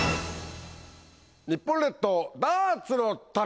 日本列島ダーツの旅！